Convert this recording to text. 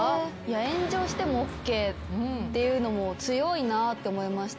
炎上してもＯＫっていうのも強いなって思いました。